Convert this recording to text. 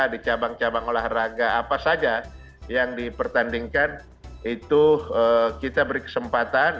di cabang cabang olahraga apa saja yang dipertandingkan itu kita beri kesempatan